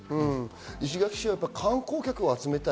石垣市は観光客を集めたい。